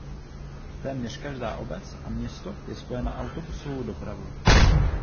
Téměř každá obec a město je spojeno autobusovou dopravou.